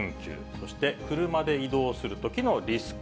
そして、車で移動するときのリスク。